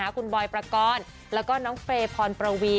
คุณบอยประกอบแล้วก็น้องเฟย์พรประวี